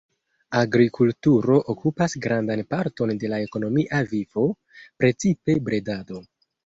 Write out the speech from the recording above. Agrikulturo okupas grandan parton de la ekonomia vivo, precipe bredado.